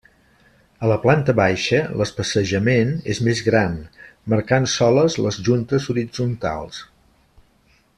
A la planta baixa l'especejament és més gran, marcant soles les juntes horitzontals.